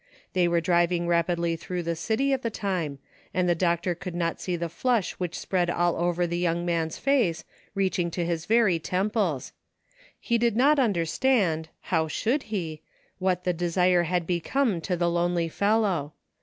They were driving rapidly through the city at the time, and the doctor could not see the flush which spread all over the young man's face, reaching to his very temples ; he did not understand — how should he — what the desire had become to the lonely fellow.